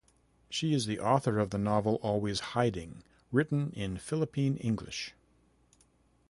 She is the author of the novel, "Always Hiding", written in Philippine English.